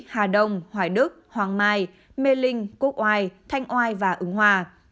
hà đông hoài đức hoàng mai mê linh quốc oai thanh oai và ứng hòa